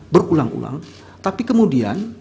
berulang ulang tapi kemudian